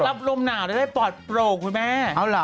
รับลมหนาวได้ปลอดโปร่งคุณแม่เอาเหรอ